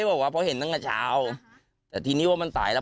บอกว่าเพราะเห็นตั้งแต่เช้าแต่ทีนี้ว่ามันสายแล้ว